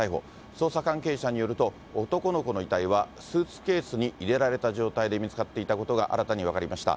捜査関係者によると、男の子の遺体はスーツケースに入れられた状態で見つかっていたことが新たに分かりました。